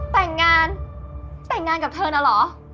แต่งงานแต่งงานกับเธอน่ะเหรอ